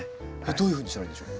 どういうふうにしたらいいんでしょう？